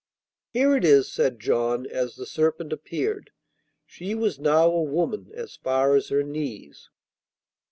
'Here it is,' said John, as the serpent appeared. She was now a woman as far as her knees.